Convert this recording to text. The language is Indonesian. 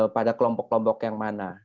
pada kelompok kelompok yang mana